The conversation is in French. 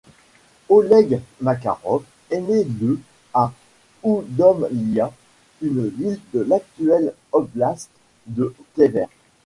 Oleg Makarov est né le à Oudomlia, une ville de l'actuelle oblast de Tver.